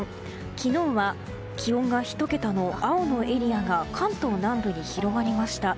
昨日は気温が１桁の青のエリアが関東南部に広がりました。